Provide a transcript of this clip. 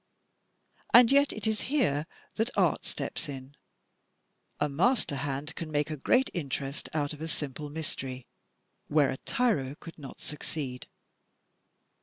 And yet it is here that art steps in. A master hand can make a great interest out of a simple mystery, where a tyro could not succeed.